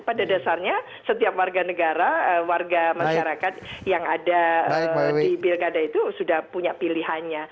pada dasarnya setiap warga negara warga masyarakat yang ada di pilkada itu sudah punya pilihannya